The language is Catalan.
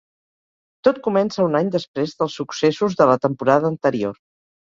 Tot comença un any després dels successos de la temporada anterior.